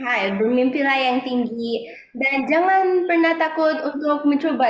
hai bermimpilah yang tinggi dan jangan pernah takut untuk mencoba